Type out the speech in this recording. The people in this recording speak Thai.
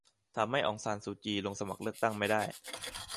ทำให้อองซานซูจี ลงสมัครเลือกตั้งไม่ได้